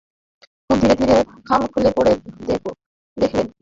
খুব ধীরে ধীরে খাম খুলে পড়ে দেখলে।